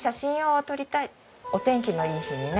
お天気のいい日にね